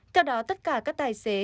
theo đó tất cả các tài xế